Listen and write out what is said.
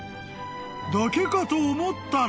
［だけかと思ったら］